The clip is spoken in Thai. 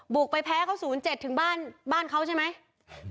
ไปแพ้เขา๐๗ถึงบ้านเขาใช่ไหม